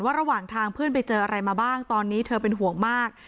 ระหว่างทางเพื่อนไปเจออะไรมาบ้างตอนนี้เธอเป็นห่วงมาก